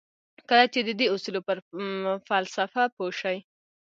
کله چې د دې اصولو پر فلسفه پوه شئ.